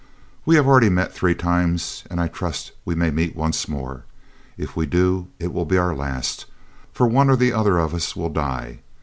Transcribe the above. We have already met three times, and I trust we may meet once more. If we do, it will be our last, for one or the other of us will die.